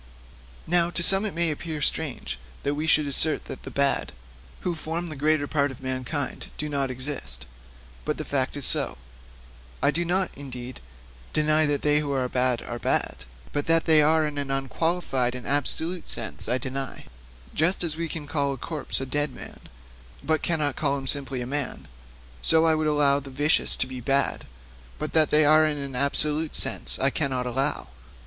Now, to some it may seem strange that we should assert that the bad, who form the greater part of mankind, do not exist. But the fact is so. I do not, indeed, deny that they who are bad are bad, but that they are in an unqualified and absolute sense I deny. Just as we call a corpse a dead man, but cannot call it simply "man," so I would allow the vicious to be bad, but that they are in an absolute sense I cannot allow.